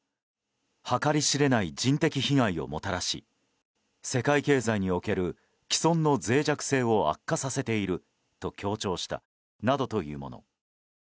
計り知れない人的被害をもたらし世界経済における既存の脆弱性を悪化させていると強調したなどというもの。